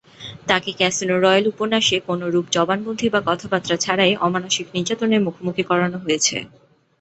তাকে 'Casino Royale' উপন্যাসে কোনরূপ জবানবন্দি বা কথাবার্তা ছাড়াই অমানুষিক নির্যাতনের মুখোমুখি করানো হয়েছে।